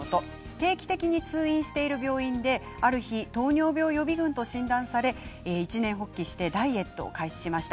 定期的に通院している病院である日、糖尿病予備軍と診断され一念発起してダイエットを開始しました。